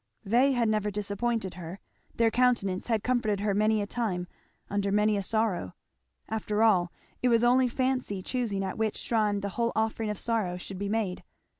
They had never disappointed her. Their countenance had comforted her many a time, under many a sorrow. After all, it was only fancy choosing at which shrine the whole offering of sorrow should be made.